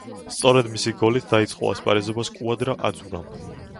სწორედ მისი გოლით დაიწყო ასპარეზობა სკუადრა აძურამ.